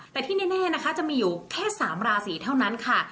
แต่ที่แน่นะคะจะมีอยู่แค่๓ราศีเท่านั้นค่ะ